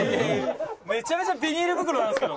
「めちゃめちゃビニール袋なんですけど」